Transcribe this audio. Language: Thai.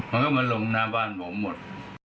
มันก็มาลงหน้าบ้านผมหมด